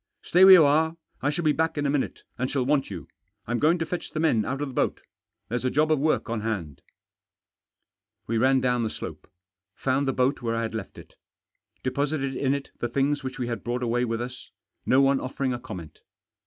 " Stay where you are. I shall be back in a minute and shall want you. I'm going to fetch the men out of the boat. There's a job of work on hand." Digitized by 256 THE JOSS. We ran down the slope. Found the boat where I had left it Deposited in it the things which we had brought away with us ; no one offering a comment.